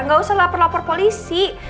nggak usah lapor lapor polisi